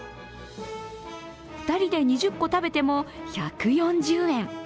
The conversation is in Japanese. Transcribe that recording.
２人で２０個食べても１４０円。